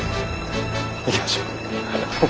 行きましょう。